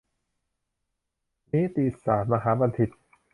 นิติศาสตรมหาบัณฑิต